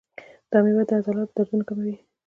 دا میوه د عضلاتو دردونه کموي.